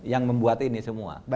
yang membuat ini semua